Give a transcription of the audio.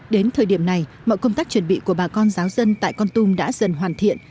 đến thời điểm này mọi công tác chuẩn bị của bà con giáo dân tại con tum đã dần hoàn thiện